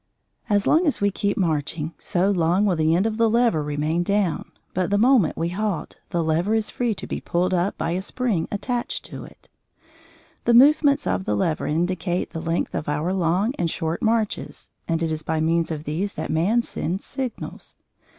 As long as we keep marching, so long will the end of the lever remain down, but the moment we halt, the lever is free to be pulled up by a spring attached to it. The movements of the lever indicate the length of our long and short marches, and it is by means of these that man sends signals.